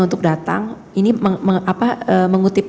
untuk datang ini mengutip